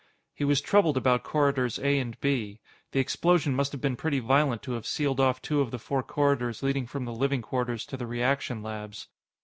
He was troubled about Corridors A and B. The explosion must have been pretty violent to have sealed off two of the four corridors leading from the living quarters to the reaction labs.